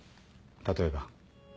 例えば？